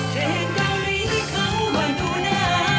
เธอเห็นเธอนี้เขาว่าดูน่ารัก